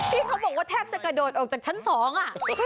ที่เขาบอกว่าแทบจะกระโดดออกจากชั้นสองอ่ะ